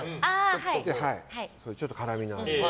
ちょっと絡みのある。